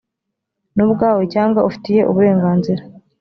ni ubwawe cyangwa ufitiye uburenganzira